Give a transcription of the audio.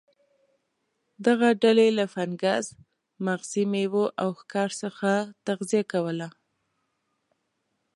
دغه ډلې له فنګس، مغزي میوو او ښکار څخه تغذیه کوله.